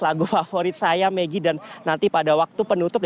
lagu favorit saya megi dan nanti pada waktu penutup